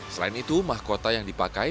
selain itu mahkota yang dipakai